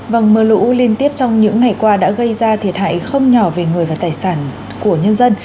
vâng mưa lũ liên tiếp trong những ngày qua đã gây ra thiệt hại không nhỏ về người và tài sản của nhân dân